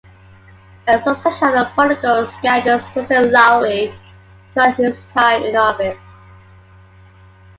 A succession of political scandals pursued Lowry throughout his time in office.